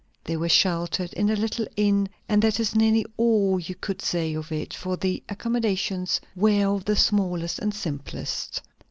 They were sheltered in the little inn; and that is nearly all you could say of it, for the accommodations were of the smallest and simplest.